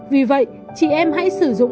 vì vậy chị em hãy sử dụng kem chống nắng